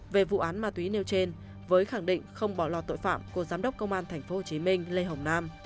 về vụ án ma túy nêu trên với khẳng định không bỏ lọt tội phạm của giám đốc công an tp hcm lê hồng nam